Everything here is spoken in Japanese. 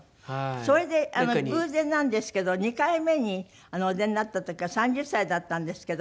それで偶然なんですけど２回目にお出になった時は３０歳だったんですけど。